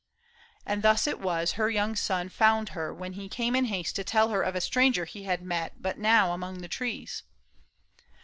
And thus it was Her young son found her when he came in haste To tell her of a stranger he had met But now among the trees.